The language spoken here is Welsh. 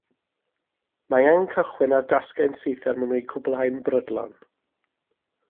Mae angen cychwyn ar dasgau'n syth er mwyn eu cwblhau'n brydlon